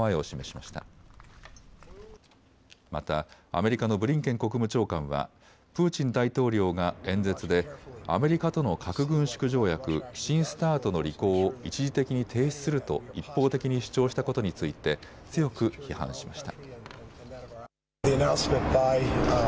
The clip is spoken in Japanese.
またアメリカのブリンケン国務長官はプーチン大統領が演説でアメリカとの核軍縮条約、新ＳＴＡＲＴの履行を一時的に停止すると一方的に主張したことについて強く批判しました。